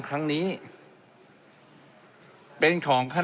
ในการที่จะระบายยาง